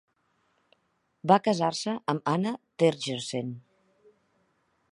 Va casar-se amb Anna Tergersen.